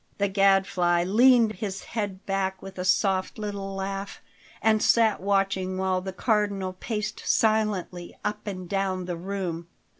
The Gadfly leaned his head back with a soft little laugh, and sat watching while the Cardinal paced silently up and down the room.